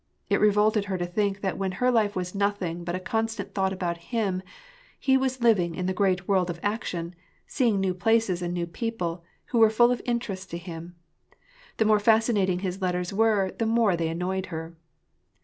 It re volted her to think that when her life was nothing but a constant thought about him, he was living in the great world of action, seeing new places and new people, who were full of interest to him. The more fascinating his letters were, the more they annoyed her.